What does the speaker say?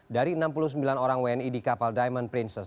dari enam puluh sembilan orang wni di kapal diamond princess